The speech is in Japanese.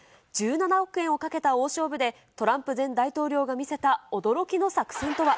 １７億円をかけた大勝負で、トランプ前大統領が見せた驚きの作戦とは。